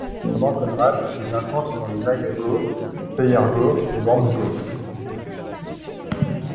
Cependant Conrad devient comte dans le Nahegau, Speyergau, et Wormsgau.